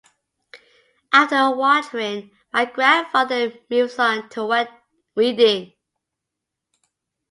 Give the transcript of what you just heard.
After watering, my grandfather moves on to weeding.